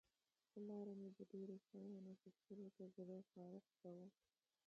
پر لاره مې د ډېرو شیانو اخیستلو ته زړه خارښت کاوه.